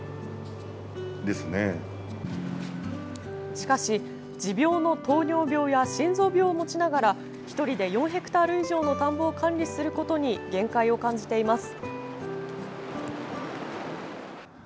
しかし、持病の糖尿病や心臓病を持ちながら１人で４ヘクタール以上の田んぼを管理することに限界を感じています。